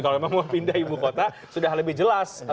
kalau memang mau pindah ibukota sudah lebih jelas